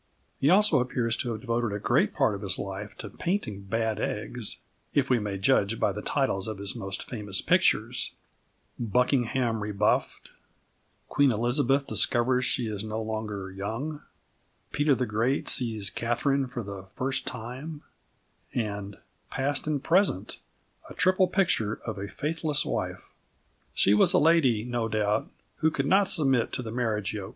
He also appears to have devoted a great part of his life to painting bad eggs, if we may judge by the titles of his most famous pictures Buckingham Rebuffed, Queen Elizabeth discovers she is no longer young, Peter the Great sees Catherine for the First Time, and Past and Present, a Triple Picture of a Faithless Wife. She was a lady, no doubt, who could not submit to the marriage yolk.